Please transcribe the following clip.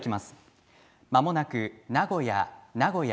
まもなく名古屋、名古屋。